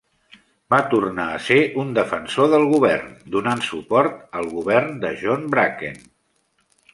Va tornar a ser un defensor del govern, donant suport al govern de John Bracken.